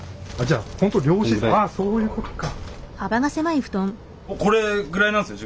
ああそういうことか。